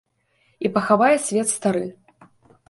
І пахавае свет стары!